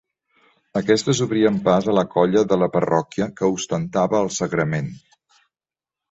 Aquests obrien pas a la colla de la parròquia que ostentava el Sagrament.